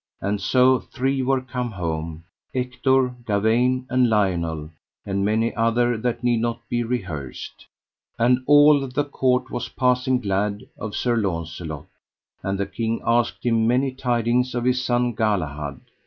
And so three were come home, Ector, Gawaine, and Lionel, and many other that need not to be rehearsed. And all the court was passing glad of Sir Launcelot, and the king asked him many tidings of his son Galahad.